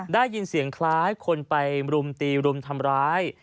ได้ยินเสียงคล้ายคนไปรุมตีรุมทำร้าย